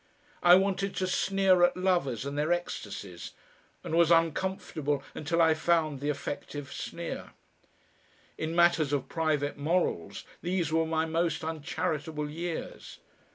I wanted to sneer at lovers and their ecstasies, and was uncomfortable until I found the effective sneer. In matters of private morals these were my most uncharitable years.